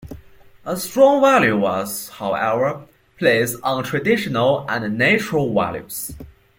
A strong value was, however, placed on traditional and "natural" values.